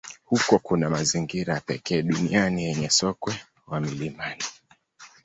Huko kuna mazingira ya pekee duniani yenye sokwe wa milimani.